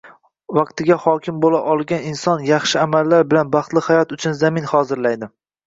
Vaqtiga hokim bo‘la olgan inson yaxshi amallar bilan baxtli hayot uchun zamin hozirlaydi.